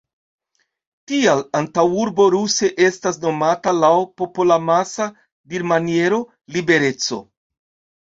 Tial antaŭurbo ruse estas nomata laŭ popolamasa dirmaniero "libereco".